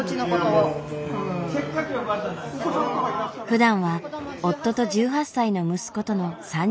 ふだんは夫と１８歳の息子との３人暮らし。